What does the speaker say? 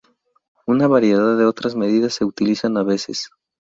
Una variedad de otras medidas se utilizan a veces.